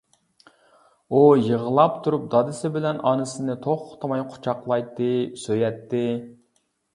ئۇ يىغلاپ تۇرۇپ دادىسى بىلەن ئانىسىنى توختىماي قۇچاقلايتتى، سۆيەتتى.